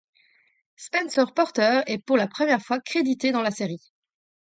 Spencer Porter est pour la première fois crédité dans la série.